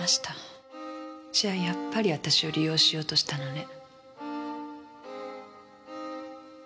じゃあやっぱり私を利用しようとしたのね。